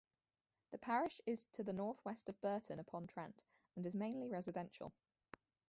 The parish is to the northwest of Burton upon Trent and is mainly residential.